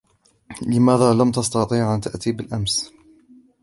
لماذا لم تسطيع أن تأتي بالأمس ؟